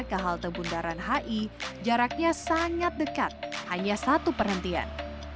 ke halte bundaran hi jaraknya sangat dekat hanya satu perhentian